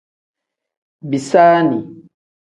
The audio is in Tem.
Bisaani.